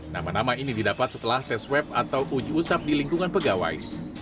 nama nama ini didapat setelah tes web atau uji usap di lingkungan pegawai